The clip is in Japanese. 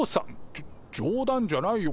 じょじょう談じゃないよ。